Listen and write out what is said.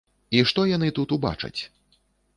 І што яны тут убачаць?